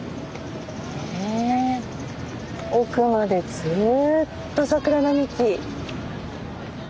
ええ奥までずっと桜並木。